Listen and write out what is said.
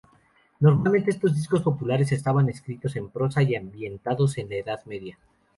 Normalmente, estos libros populares estaban escritos en prosa y ambientados en la Edad Media.